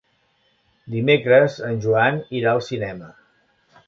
Dimecres en Joan irà al cinema.